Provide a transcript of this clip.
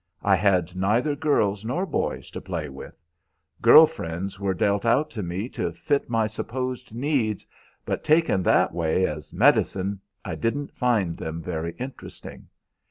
I had neither girls nor boys to play with. Girl friends were dealt out to me to fit my supposed needs, but taken that way as medicine I didn't find them very interesting.